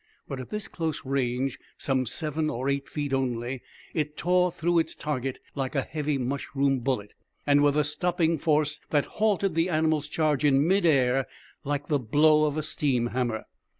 But at this close range, some seven or eight feet only, it tore through its target like a heavy mushroom bullet, and with a stopping force that halted the animal's charge in mid air like the blow of a steam hammer.